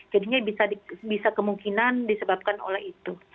jadinya bisa kemungkinan disebabkan oleh itu